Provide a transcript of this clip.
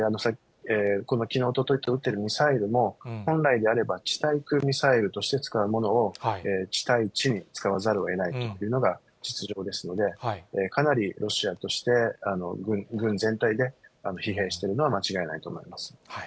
このきのう、おとといと撃ってるミサイルも、本来であれば地対空ミサイルとして使うものを、地対地に使わざるをえないというのが実情ですので、かなりロシアとして、軍全体で疲弊しているのは間違いないと思います。